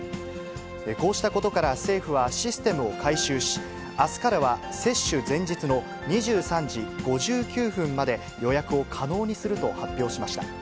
こうしたことから政府は、システムを改修し、あすからは接種前日の２３時５９分まで予約を可能にすると発表しました。